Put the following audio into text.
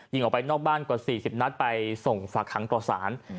ยิงออกไปนอกบ้านกว่า๔๐นัดไปส่งฝากหางต่อสาร